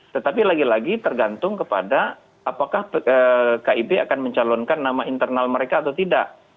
tetapi lagi lagi tergantung kepada apakah kib akan mencalonkan nama internal mereka atau tidak